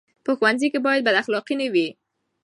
په ښوونځي کې باید بد اخلاقي نه وي.